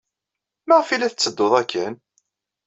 Maɣef ay la tetteddud akken?